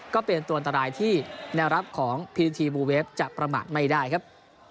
ก็เป็นตัวนตรายที่นาภิษฐ์ของพิษฐีบูเวฟจะประมาทไม่ได้ครับ